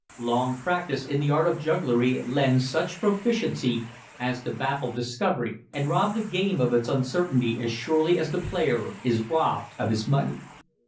Long practice in the art of jugglery lends such proficiency as to baffle discovery and rob the game of its uncertainty as surely as the player is robbed of his money.